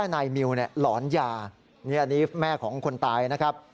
นี่อันนี้แม่ของคนตายนะครับ